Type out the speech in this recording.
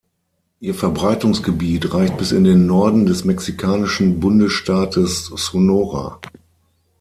Ihr Verbreitungsgebiet reicht bis in den Norden des mexikanischen Bundesstaates Sonora.